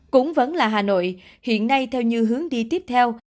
cũng vẫn là hà nội hiện nay theo như hướng đi tiếp theo